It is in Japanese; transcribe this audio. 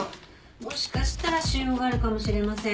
もしかしたら腫瘍があるかもしれません。